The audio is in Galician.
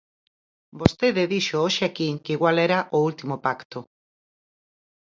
Vostede dixo hoxe aquí que igual era o último pacto.